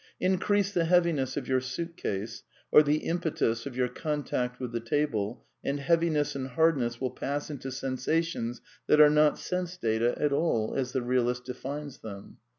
Increase the heaviness of your suit case, or the impetus of your contact with the table, and heaviness and hardness will pass into sensations that Y^re not sense data at all as the realist defines them.